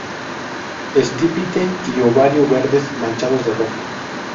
Estípite y ovario verdes, manchados de rojo.